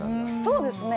そうですね。